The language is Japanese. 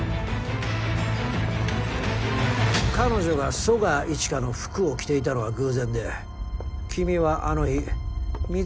彼女が十川一華の服を着ていたのは偶然で君はあの日美